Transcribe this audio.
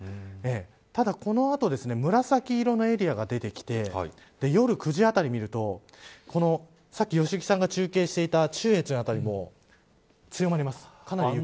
ただこの後紫色のエリアが出てきて夜９時あたりを見るとさっき良幸さんが中継していた中越辺りも強まります。